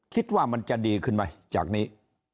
คิดว่ามันจะดีขึ้นไหมจากนี้